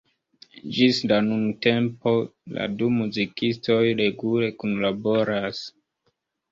Ĝis la nuntempo la du muzikistoj regule kunlaboras.